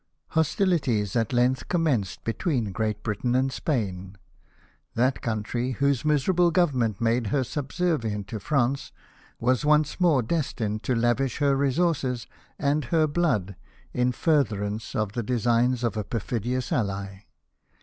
Hostilities at length commenced between Great Britain and Spain. That country, whose miserable government made her subservient to France, was once more destined to lavish her resources and her blood in furtherance of the designs of a perfidious ally.